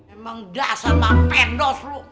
emang dasar mah pendos lo